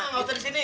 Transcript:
enggak usah di sini